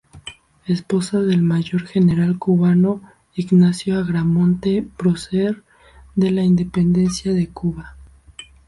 Esposa del Mayor general cubano Ignacio Agramonte, prócer de la independencia de Cuba.